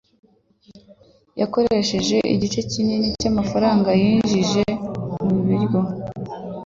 Yakoresheje igice kinini cyamafaranga yinjiza mubiryo.